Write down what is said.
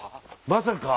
まさか。